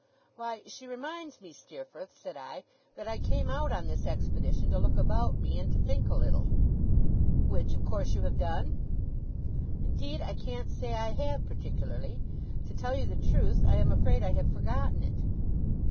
'Why, she reminds me, Steerforth,' said I, 'that I came out on this expedition to look about me, and to think a little.' 'Which, of course, you have done?' 'Indeed I can't say I have, particularly. To tell you the truth, I am afraid I have forgotten it.